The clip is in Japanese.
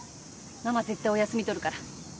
ママ絶対お休み取るから。